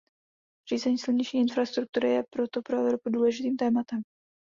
Řízení silniční infrastruktury je proto pro Evropu důležitým tématem.